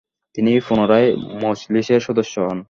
তিনি পুনরায় মজলিসের সদস্য হন।